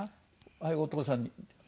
はいお父さんに。